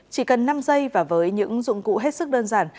chỉ cần năm giây và với những dụng cụ hết sức đơn giản